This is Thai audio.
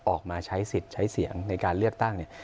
ออกมาใช้สิทธิ์ใช้เสียงในการเลือกตั้งเนี่ย